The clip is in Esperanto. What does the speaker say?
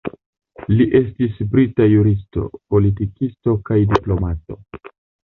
Li estis brita juristo, politikisto kaj diplomato.